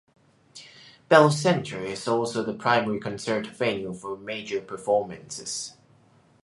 Bell Centre is also the primary concert venue for major performances.